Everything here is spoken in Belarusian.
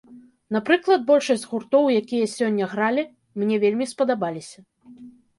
Напрыклад, большасць гуртоў, якія сёння гралі, мне вельмі спадабаліся.